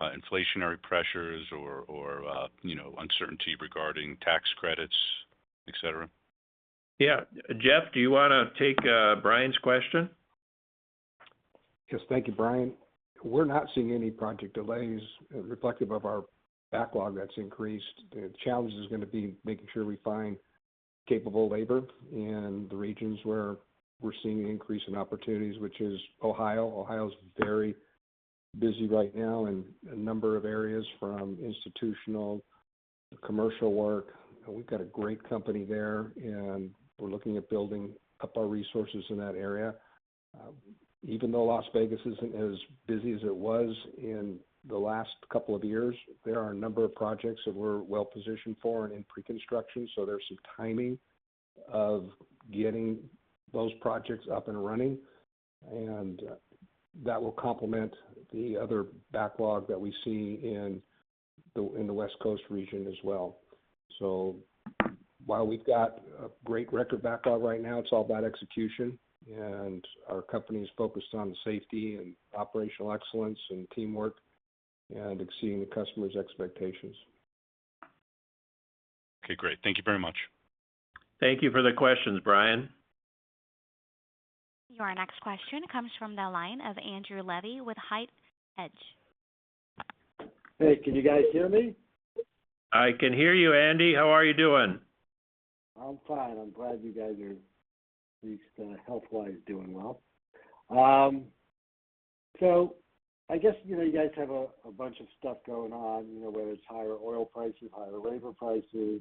Speaker 8: inflationary pressures or, you know, uncertainty regarding tax credits, etc?
Speaker 3: Yeah. Jeff, do you wanna take Brian's question?
Speaker 7: Yes. Thank you, Brian. We're not seeing any project delays reflective of our backlog that's increased. The challenge is gonna be making sure we find capable labor in the regions where we're seeing an increase in opportunities, which is Ohio. Ohio is very busy right now in a number of areas, from institutional to commercial work. We've got a great company there, and we're looking at building up our resources in that area. Even though Las Vegas isn't as busy as it was in the last couple of years, there are a number of projects that we're well-positioned for and in pre-construction. There's some timing of getting those projects up and running, and that will complement the other backlog that we see in the West Coast region as well. While we've got a great record backlog right now, it's all about execution, and our company is focused on safety and operational excellence and teamwork and exceeding the customer's expectations.
Speaker 8: Okay, great. Thank you very much.
Speaker 3: Thank you for the questions, Brian.
Speaker 1: Your next question comes from the line of Andrew Levy with Height Hedge.
Speaker 9: Hey, can you guys hear me?
Speaker 2: I can hear you, Andy. How are you doing?
Speaker 9: I'm fine. I'm glad you guys are at least health wise doing well. So I guess, you know, you guys have a bunch of stuff going on, you know, whether it's higher oil prices, higher labor prices.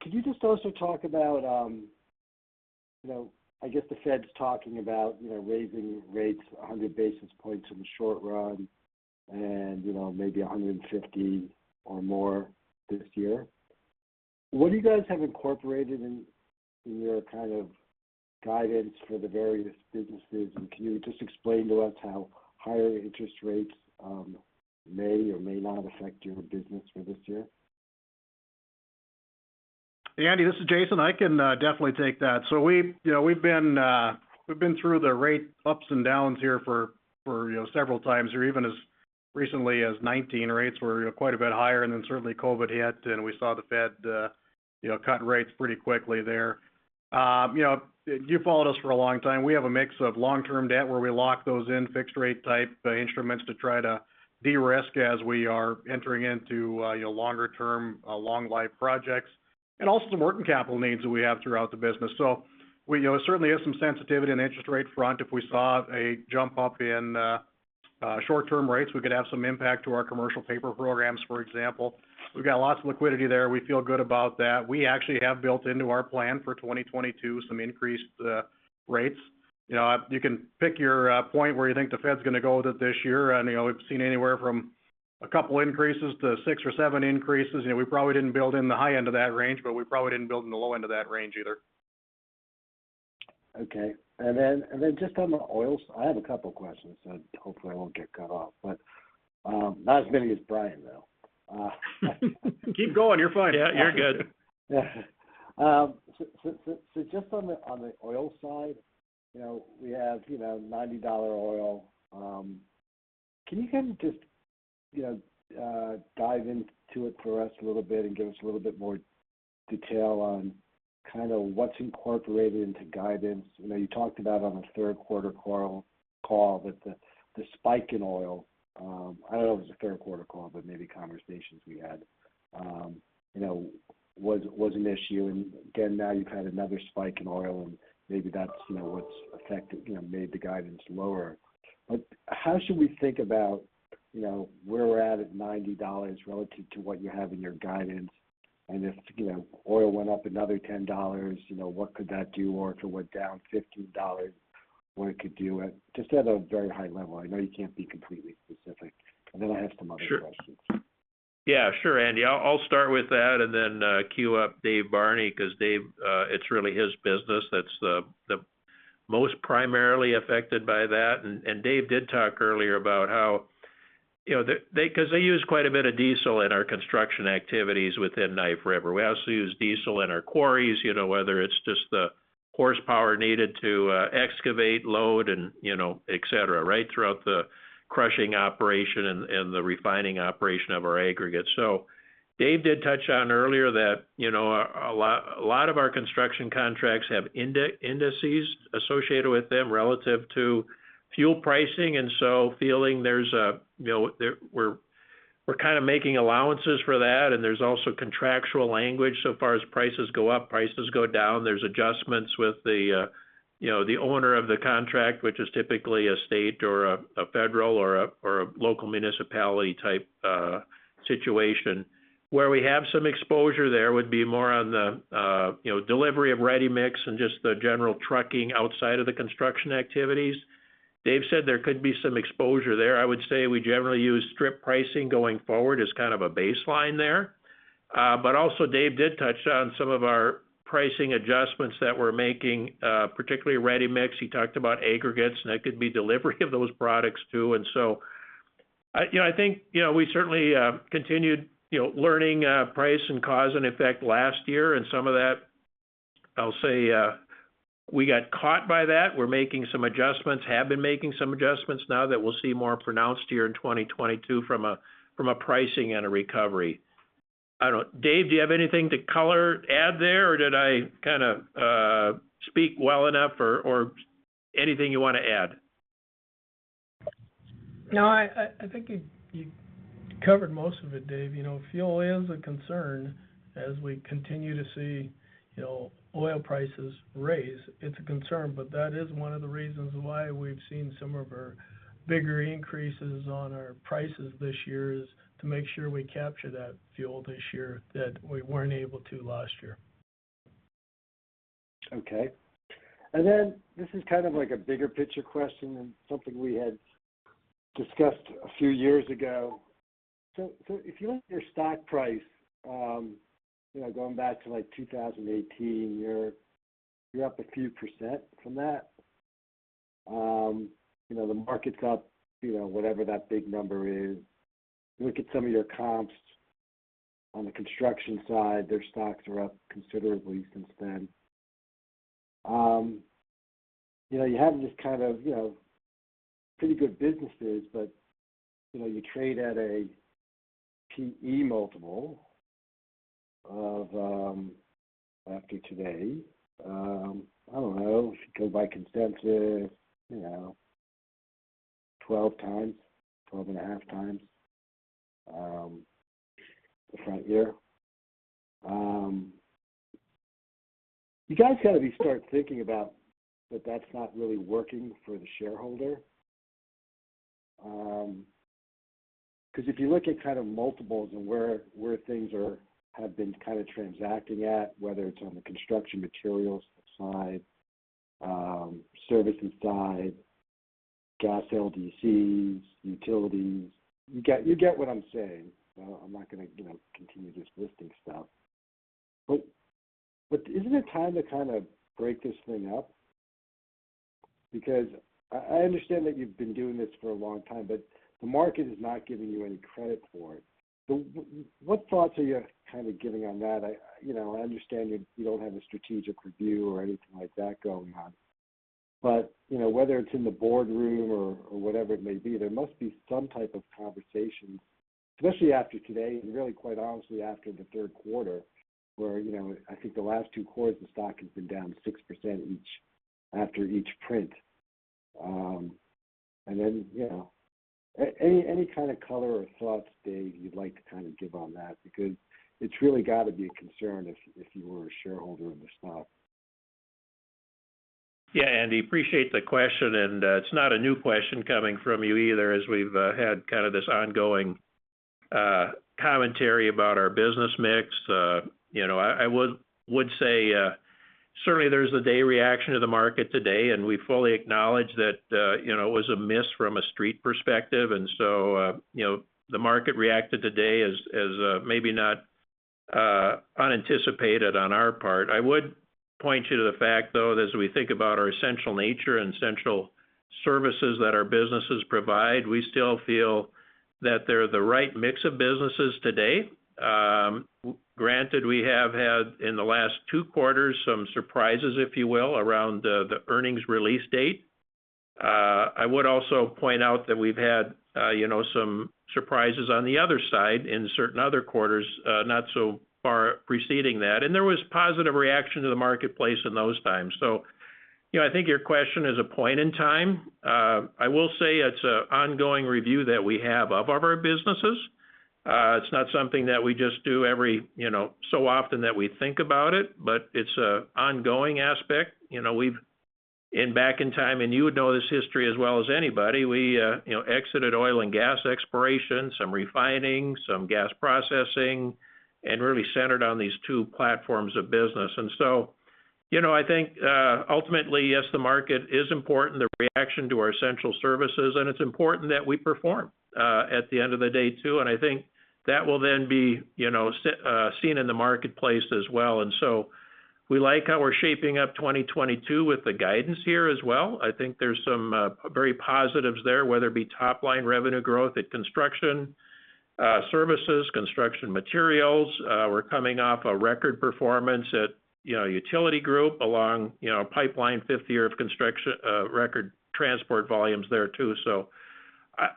Speaker 9: Could you just also talk about, you know, I guess the Fed's talking about, you know, raising rates 100 basis points in the short run and, you know, maybe 150 basis points or more this year. What do you guys have incorporated in your kind of guidance for the various businesses, and can you just explain to us how higher interest rates may or may not affect your business for this year?
Speaker 2: Hey, Andy, this is Jason. I can definitely take that. We've, you know, been through the rate ups and downs here for you know, several times, or even as recently as 2019, rates were, you know, quite a bit higher. Certainly COVID hit, and we saw the Fed, you know, cut rates pretty quickly there. You know, you've followed us for a long time. We have a mix of long-term debt where we lock those in fixed rate type instruments to try to de-risk as we are entering into, you know, longer term, long life projects and also some working capital needs that we have throughout the business. We certainly have some sensitivity in the interest rate front. If we saw a jump up in short-term rates, we could have some impact to our commercial paper programs, for example. We've got lots of liquidity there. We feel good about that. We actually have built into our plan for 2022 some increased rates. You know, you can pick your point where you think the Fed's gonna go with it this year. You know, we've seen anywhere from a couple increases to 6 or 7 increases. You know, we probably didn't build in the high end of that range, but we probably didn't build in the low end of that range either.
Speaker 9: Okay. Just on the oils, I have a couple questions, so hopefully I won't get cut off. Not as many as Brian, though.
Speaker 3: Keep going. You're fine.
Speaker 5: Yeah, you're good.
Speaker 9: So just on the oil side, you know, we have, you know, $90 oil. Can you kind of just, you know, dive into it for us a little bit and give us a little bit more detail on kind of what's incorporated into guidance? You know, you talked about on the third quarter call that the spike in oil. I don't know if it was the third quarter call, but maybe conversations we had, you know, was an issue. Again, now you've had another spike in oil, and maybe that's, you know, what's affected, you know, made the guidance lower. How should we think about, you know, where we're at $90 relative to what you have in your guidance? If, you know, oil went up another $10, you know, what could that do? If it went down $15, what it could do at just at a very high level. I know you can't be completely specific. Then I have some other questions.
Speaker 3: Sure. Yeah, sure, Andy. I'll start with that and then queue up Dave Barney, 'cause Dave, it's really his business that's the most primarily affected by that. Dave did talk earlier about how, you know, they—'cause they use quite a bit of diesel in our construction activities within Knife River. We also use diesel in our quarries, you know, whether it's just the horsepower needed to excavate, load and, you know, et cetera, right through the crushing operation and the refining operation of our aggregates. Dave did touch on earlier that, you know, a lot of our construction contracts have indices associated with them relative to fuel pricing, and so feeling there's a, you know, we're kind of making allowances for that. There's also contractual language so far as prices go up, prices go down. There's adjustments with the, you know, the owner of the contract, which is typically a state or a federal or a local municipality type situation. Where we have some exposure there would be more on the, you know, delivery of ready mix and just the general trucking outside of the construction activities. Dave said there could be some exposure there. I would say we generally use strip pricing going forward as kind of a baseline there. But also Dave did touch on some of our pricing adjustments that we're making, particularly ready mix. He talked about aggregates, and that could be delivery of those products, too. I think, you know, we certainly continued, you know, learning price and cause and effect last year, and some of that, I'll say, we got caught by that. We're making some adjustments, have been making some adjustments now that we'll see more pronounced here in 2022 from a pricing and a recovery. Dave, do you have anything to add color there, or did I kind of speak well enough or anything you want to add?
Speaker 5: No, I think you covered most of it, Dave. You know, fuel is a concern as we continue to see, you know, oil prices rise. It's a concern, but that is one of the reasons why we've seen some of our bigger increases on our prices this year is to make sure we capture that fuel this year that we weren't able to last year.
Speaker 9: Okay. This is kind of like a bigger picture question and something we had discussed a few years ago. If you look at your stock price, you know, going back to like 2018, you're up a few percent from that. You know, the market's up, you know, whatever that big number is. Look at some of your comps on the construction side, their stocks are up considerably since then. You know, you have these kind of, you know, pretty good businesses, but, you know, you trade at a P/E multiple of, after today, I don't know, if you go by consensus, 12x-12.5x, the front year. You guys gotta be start thinking about that that's not really working for the shareholder. 'Cause if you look at kind of multiples and where things have been kind of transacting at, whether it's on the Construction Materials side, services side, gas LDCs, utilities. You get what I'm saying. I'm not gonna, you know, continue just listing stuff. Isn't it time to kind of break this thing up? Because I understand that you've been doing this for a long time, but the market is not giving you any credit for it. What thoughts are you kind of getting on that? You know, I understand you don't have a strategic review or anything like that going on. You know, whether it's in the boardroom or whatever it may be, there must be some type of conversation, especially after today, and really quite honestly after the third quarter, where you know, I think the last two quarters the stock has been down 6% each after each print. You know, any kind of color or thoughts that you'd like to kind of give on that, because it's really got to be a concern if you were a shareholder of the stock.
Speaker 3: Yeah, Andy, appreciate the question, and it's not a new question coming from you either, as we've had kind of this ongoing commentary about our business mix. You know, I would say certainly there's the day's reaction to the market today, and we fully acknowledge that, you know, it was a miss from a Street perspective. You know, the market reacted today as maybe not unanticipated on our part. I would point you to the fact, though, that as we think about our essential nature and essential services that our businesses provide, we still feel that they're the right mix of businesses today. Granted, we have had in the last two quarters some surprises, if you will, around the earnings release date. I would also point out that we've had, you know, some surprises on the other side in certain other quarters, not so far preceding that. There was positive reaction to the marketplace in those times. You know, I think your question is a point in time. I will say it's an ongoing review that we have of our businesses. It's not something that we just do every, you know, so often that we think about it, but it's an ongoing aspect. You know, way back in time, and you would know this history as well as anybody, we, you know, exited oil and gas exploration, some refining, some gas processing, and really centered on these two platforms of business. You know, I think ultimately, yes, the market is important, the reaction to our essential services, and it's important that we perform at the end of the day too. I think that will then be, you know, seen in the marketplace as well. We like how we're shaping up 2022 with the guidance here as well. I think there's some very positives there, whether it be top-line revenue growth at Construction Services, Construction Materials. We're coming off a record performance at, you know, Utility Group along, you know, pipeline, fifth year of consecutive record transport volumes there too.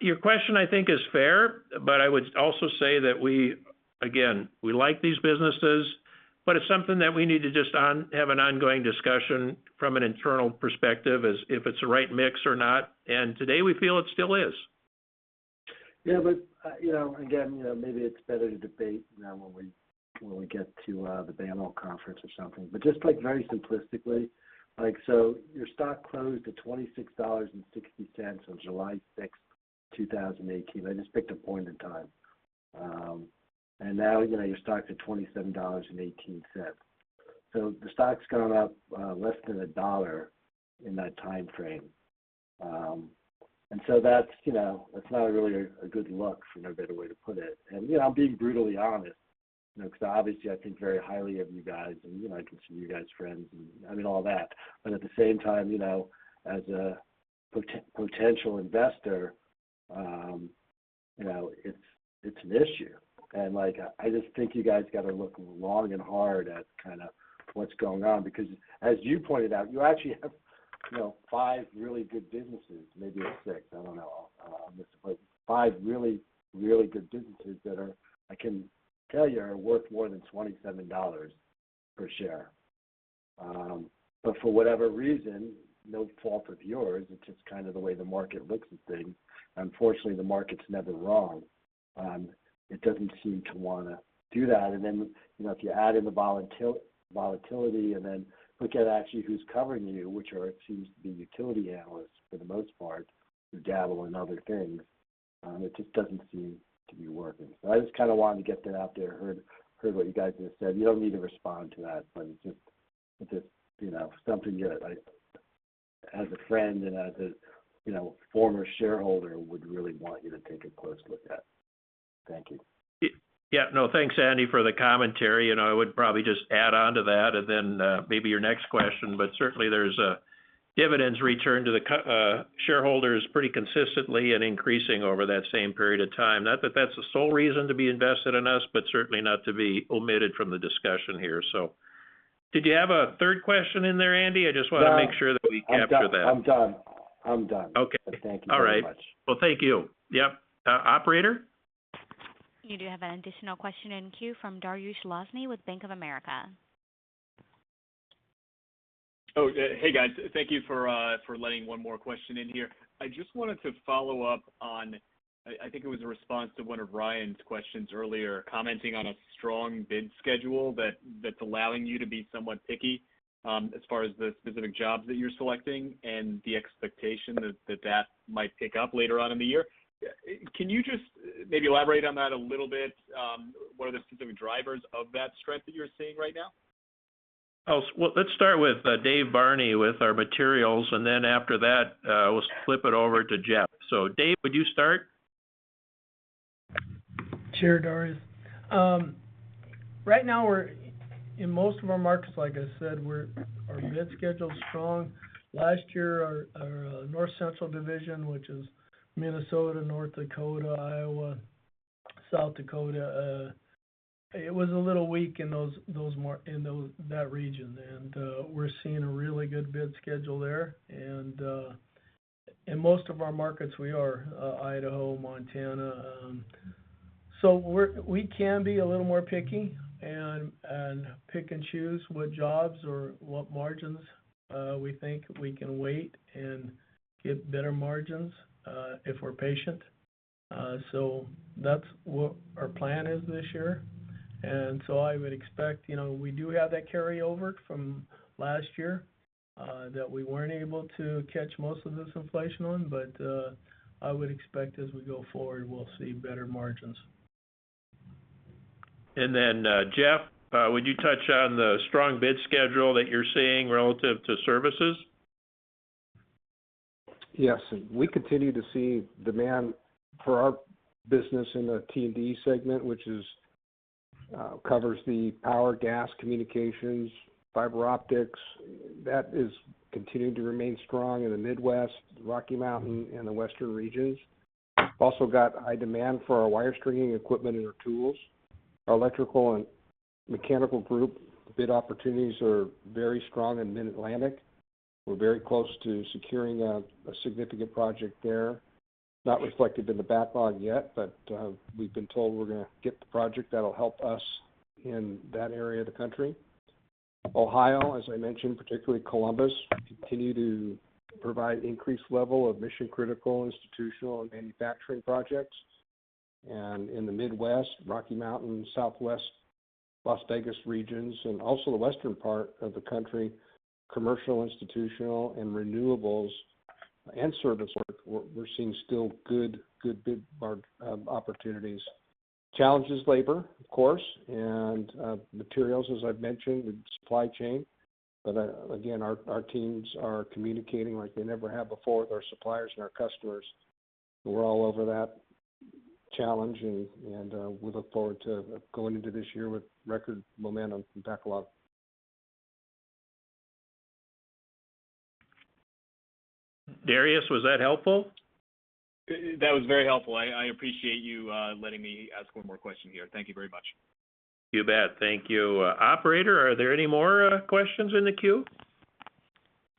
Speaker 3: Your question, I think, is fair, but I would also say that we, again, like these businesses, but it's something that we need to just have an ongoing discussion from an internal perspective as if it's the right mix or not. Today we feel it still is.
Speaker 9: You know, again, you know, maybe it's better to debate now when we get to the BAML conference or something. Just like very simplistically, like, so your stock closed at $26.60 on July 6, 2018. I just picked a point in time. Now, you know, your stock's at $27.18. The stock's gone up less than $1 in that timeframe. That's, you know, that's not really a good look, for no better way to put it. You know, I'm being brutally honest, you know, because obviously I think very highly of you guys and, you know, I consider you guys friends and I mean all that. At the same time, you know, as a potential investor, you know, it's an issue. Like, I just think you guys got to look long and hard at kind of what's going on. Because as you pointed out, you actually have, you know, five really good businesses. Maybe it's six, I don't know. I'll miss it. Five really, really good businesses that I can tell you are worth more than $27 per share. For whatever reason, no fault of yours, it's just kind of the way the market looks at things. Unfortunately, the market's never wrong. It doesn't seem to wanna do that. Then, you know, if you add in the volatility and then look at actually who's covering you, which are it seems to be utility analysts for the most part who dabble in other things, it just doesn't seem to be working. I just kind of wanted to get that out there. Heard what you guys just said. You don't need to respond to that, but just, you know, something that I, as a friend and as a, you know, former shareholder would really want you to take a close look at. Thank you.
Speaker 3: Yeah. No, thanks, Andy, for the commentary. You know, I would probably just add on to that and then maybe your next question, but certainly there's a dividends return to the shareholders pretty consistently and increasing over that same period of time. Not that that's the sole reason to be invested in us, but certainly not to be omitted from the discussion here. Did you have a third question in there, Andy? I just want to make sure that we capture that.
Speaker 9: I'm done.
Speaker 3: Okay.
Speaker 9: Thank you very much.
Speaker 3: All right. Well, thank you. Yep. Operator?
Speaker 1: You do have an additional question in queue from Dariusz Lozny with Bank of America.
Speaker 4: Oh, hey guys. Thank you for letting one more question in here. I just wanted to follow up on, I think it was a response to one of Ryan's questions earlier, commenting on a strong bid schedule that's allowing you to be somewhat picky as far as the specific jobs that you're selecting and the expectation that that might pick up later on in the year. Can you just maybe elaborate on that a little bit? What are the specific drivers of that strength that you're seeing right now?
Speaker 3: Well, let's start with Dave Barney with our materials, and then after that, we'll flip it over to Jeff. Dave, would you start?
Speaker 5: Sure, Dariusz. Right now we're in most of our markets, like I said, our bid schedule's strong. Last year, our North Central division, which is Minnesota, North Dakota, Iowa South Dakota, it was a little weak in those markets in that region. We're seeing a really good bid schedule there. In most of our markets we are in Idaho, Montana, so we can be a little more picky and pick and choose what jobs or what margins we think we can wait and get better margins if we're patient. That's what our plan is this year. I would expect, you know, we do have that carryover from last year that we weren't able to catch most of this inflation on. I would expect as we go forward, we'll see better margins.
Speaker 3: Jeff, would you touch on the strong bid schedule that you're seeing relative to services?
Speaker 7: Yes. We continue to see demand for our business in the T&D segment, which covers the power gas communications, fiber optics. That is continuing to remain strong in the Midwest, Rocky Mountain and the Western regions. Also got high demand for our wire stringing equipment and our tools. Our electrical and mechanical group bid opportunities are very strong in Mid-Atlantic. We're very close to securing a significant project there. Not reflected in the backlog yet, but we've been told we're gonna get the project that'll help us in that area of the country. Ohio, as I mentioned, particularly Columbus, continue to provide increased level of mission-critical, institutional and manufacturing projects. In the Midwest, Rocky Mountain, Southwest, Las Vegas regions, and also the western part of the country, commercial, institutional and renewables and service work, we're seeing still good bid margin opportunities. Challenge is labor, of course, and materials, as I've mentioned, the supply chain. Again, our teams are communicating like they never have before with our suppliers and our customers. We're all over that challenge and we look forward to going into this year with record momentum and backlog.
Speaker 3: Dariusz, was that helpful?
Speaker 4: That was very helpful. I appreciate you letting me ask one more question here. Thank you very much.
Speaker 3: You bet. Thank you. Operator, are there any more questions in the queue?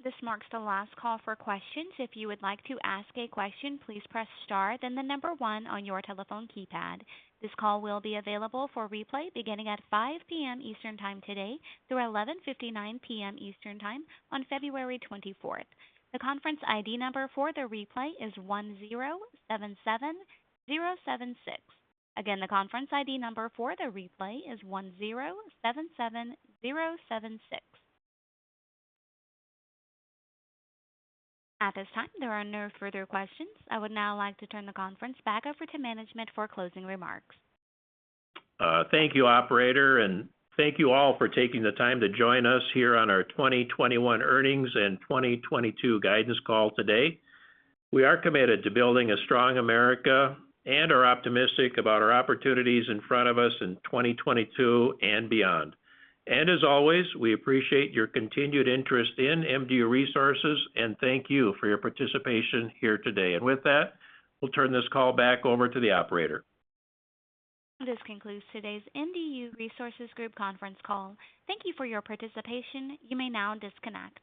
Speaker 1: This marks the last call for questions. If you would like to ask a question, please press star then the number one on your telephone keypad. This call will be available for replay beginning at 5 P.M. Eastern time today through 11:59 P.M. Eastern time on February 24. The conference ID number for the replay is 1,077,076. Again, the conference ID number for the replay is 1,077,076. At this time, there are no further questions. I would now like to turn the conference back over to management for closing remarks.
Speaker 3: Thank you, operator, and thank you all for taking the time to join us here on our 2021 earnings and 2022 guidance call today. We are committed to "Building a Strong America." and are optimistic about our opportunities in front of us in 2022 and beyond. As always, we appreciate your continued interest in MDU Resources and thank you for your participation here today. With that, we'll turn this call back over to the operator.
Speaker 1: This concludes today's MDU Resources Group conference call. Thank you for your participation. You may now disconnect.